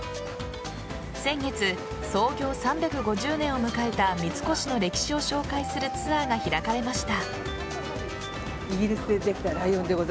先月創業３５０年を迎えた三越の歴史を紹介するツアーが開かれました。